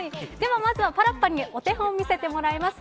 まずはパラッパにお手本を見せてもらいます。